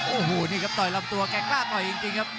โอ้โหนี่ครับต่อยลำตัวแกล้งลากหน่อยจริงจริงครับ